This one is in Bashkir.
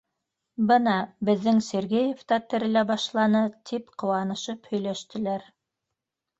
— Бына беҙҙең Сергеев та терелә башланы, — тип ҡыуанышып һөйләштеләр.